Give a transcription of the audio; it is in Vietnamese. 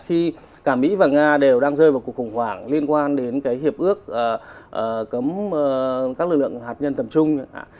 khi cả mỹ và nga đều đang rơi vào cuộc khủng hoảng liên quan đến cái hiệp ước cấm các lực lượng hạt nhân tầm trung